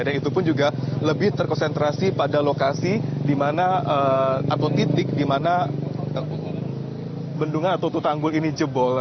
dan itu pun juga lebih terkonsentrasi pada lokasi di mana atau titik di mana bendungan atau tutanggul ini jebol